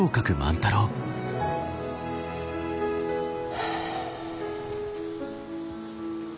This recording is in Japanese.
はあ。